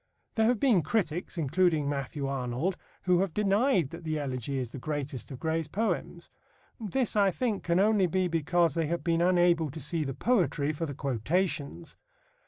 There have been critics, including Matthew Arnold, who have denied that the Elegy is the greatest of Gray's poems. This, I think, can only be because they have been unable to see the poetry for the quotations.